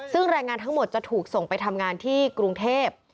ซึ่งแรงงานทั้งหมดจะถูกส่งไปทำงานที่กรุงเทพ